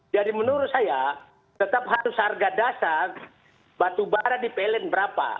jadi menurut saya tetap harus harga dasar batu bara di pln berapa